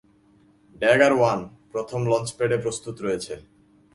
Dagger one, প্রথম launch প্যাডে প্রস্তুত রয়েছে।